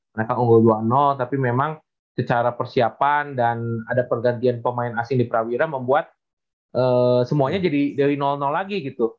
mereka unggul dua tapi memang secara persiapan dan ada pergantian pemain asing di prawira membuat semuanya jadi dari lagi gitu